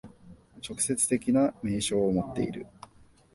直接的な明証をもっている。